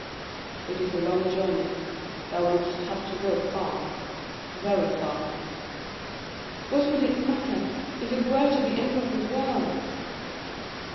"It is a long journey. Thou wouldst have to go far very far." "What would it matter, if it were to the end of the world?"